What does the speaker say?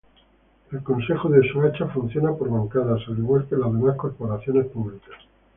El Concejo de Soacha funciona por bancadas, al igual que las demás corporaciones públicas.